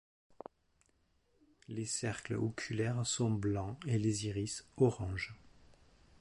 Les cercles oculaires sont blancs et les iris orange.